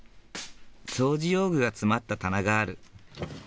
掃除用具が詰まった棚がある。